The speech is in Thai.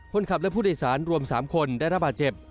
คนขับและผู้ต์สารรวมสามคนได้รับอาจเจ็บ